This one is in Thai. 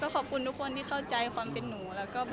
ขอบคุณทุกคนที่เข้าใจความเป็นหนู